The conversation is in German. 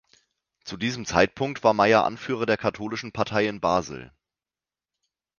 Zu diesem Zeitpunkt war Meyer Anführer der katholischen Partei in Basel.